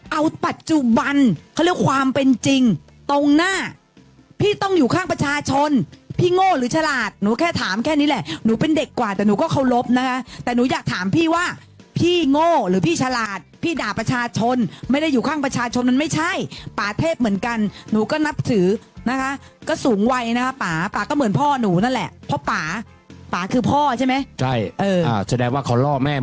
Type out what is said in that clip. เอาปัจจุบันเขาเรียกความเป็นจริงตรงหน้าพี่ต้องอยู่ข้างประชาชนพี่โง่หรือฉลาดหนูแค่ถามแค่นี้แหละหนูเป็นเด็กกว่าแต่หนูก็เคารพนะคะแต่หนูอยากถามพี่ว่าพี่โง่หรือพี่ฉลาดพี่ด่าประชาชนไม่ได้อยู่ข้างประชาชนมันไม่ใช่ป่าเทพเหมือนกันหนูก็นับถือนะคะก็สูงวัยนะคะป่าป่าก็เหมือนพ่อหนูนั่นแหละเพราะป่าป่าคือพ่อใช่ไหมใช่เออแสดงว่าเขาล่อแม่